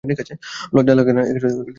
লর্জ্জা লাগে না?